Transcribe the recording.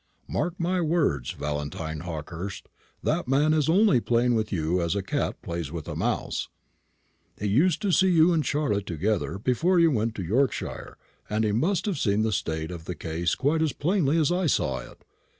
Mark my words, Valentine Hawkehurst, that man is only playing with you as a cat plays with a mouse. He used to see you and Charlotte together before you went to Yorkshire, and he must have seen the state of the case quite as plainly as I saw it.